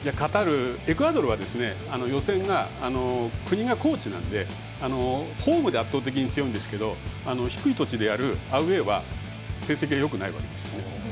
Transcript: エクアドルは予選が国が高地なのでホームで圧倒的に強いんですが低い土地でやるアウェーは成績がよくないわけです。